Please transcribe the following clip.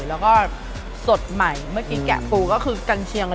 แล้วก็สดใหม่เมื่อกี้แกะปูก็คือกัญเชียง